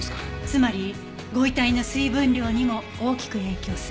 つまりご遺体の水分量にも大きく影響する。